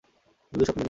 তুমি দুঃস্বপ্ন দেখেছ।